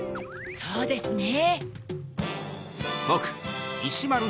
そうですね。